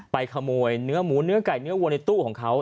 ขโมยเนื้อหมูเนื้อไก่เนื้อวัวในตู้ของเขา